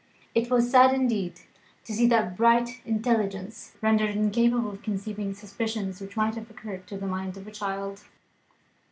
It was sad indeed to see that bright intelligence rendered incapable of conceiving suspicions, which might have occurred to the mind of a child.